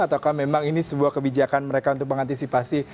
ataukah memang ini sebuah kebijakan mereka untuk mengantisipasi